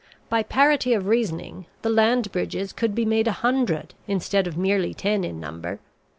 By parity of reasoning, the land bridges could be made a hundred instead of merely ten in number.